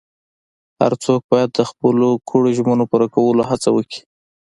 هر څوک باید د خپلو کړو ژمنو پوره کولو هڅه وکړي.